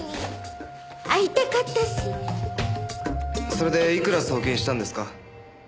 それでいくら送金したんですか？